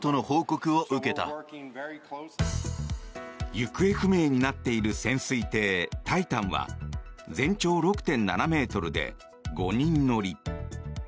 行方不明になっている潜水艇「タイタン」は全長６．７ｍで、５人乗り。